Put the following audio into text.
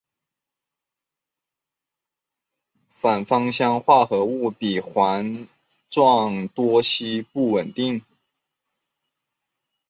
反芳香化合物比环状多烯不稳定。